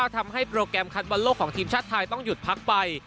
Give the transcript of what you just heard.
ทำให้โปรแกรมคัดบอลโลกของทีมชาติไทยต้องหยุดพักไป